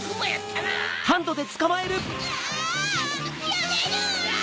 やめるの！